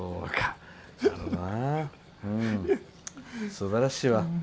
すばらしいわ。